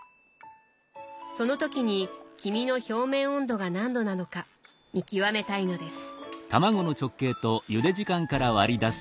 その時に黄身の表面温度が何度なのか見極めたいのです。